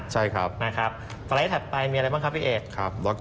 หุ้มสไลช์ถัดไปมีอะไรบ้างครับพี่เอก